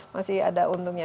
masih ada untungnya